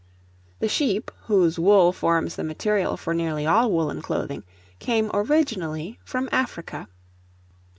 The sheep, whose wool forms the material for nearly all woollen clothing, came originally from Africa.